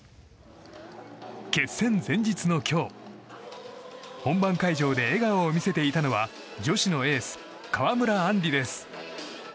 決戦前日の今日本番会場で笑顔を見せていたのは女子のエース、川村あんりです。